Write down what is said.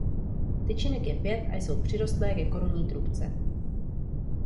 Tyčinek je pět a jsou přirostlé ke korunní trubce.